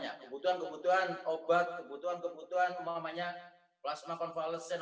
kebutuhan kebutuhan obat kebutuhan kebutuhan plasma convalescent